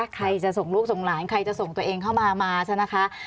ใครจะส่งลูกส่งหลานใครจะส่งตัวเองเข้ามามาใช่ไหมคะ